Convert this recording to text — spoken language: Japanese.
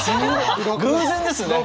偶然ですね？